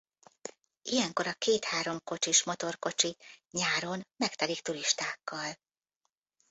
Ilyenkor a két-három kocsis motorkocsi nyáron megtelik turistákkal.